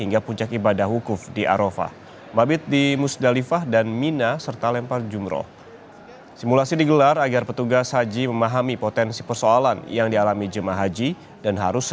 ini tidak kemudian mengubah